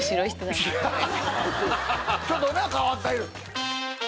ちょっとな変わってる。